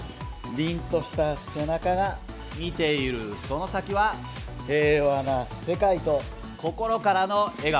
凛とした背中が見ているその先は平和な世界と心からの笑顔。